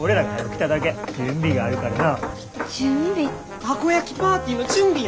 たこ焼きパーティーの準備や。